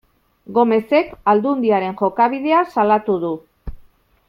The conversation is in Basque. Gomezek Aldundiaren jokabidea salatu du.